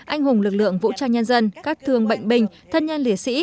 anh hùng lực lượng vũ trang nhân dân các thương bệnh bình thân nhân liệt sĩ